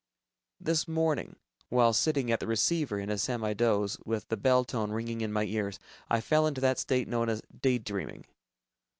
30._ This morning, while sitting at the receiver in a semi doze, with the bell tone ringing in my ears, I fell into that state known as "day dreaming."